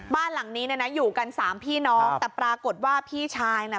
บ้านหลังนี้เนี่ยนะอยู่กันสามพี่น้องแต่ปรากฏว่าพี่ชายน่ะ